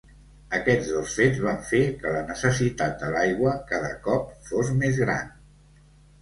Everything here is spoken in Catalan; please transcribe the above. Aquests dos fets van fer que la necessitat de l’aigua cada cop fos més gran.